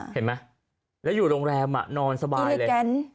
เห็นไหมแล้วอยู่โรงแรมนอนสบายเลย